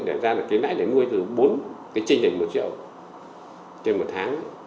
để ra cái nãy để mua bốn cái trình này một triệu trên một tháng